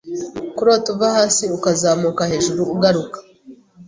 Kurota uva hasi ukazamuka hejuru uguruka